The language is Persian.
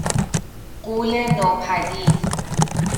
غولِ نوپدید